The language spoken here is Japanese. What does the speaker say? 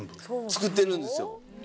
作ってるんですよ。